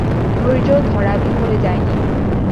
ধৈর্য ধরা বিফলে যায় নি।